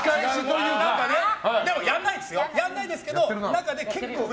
でも、やらないですけど。